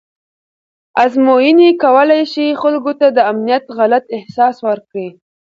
ازموینې کولی شي خلکو ته د امنیت غلط احساس ورکړي.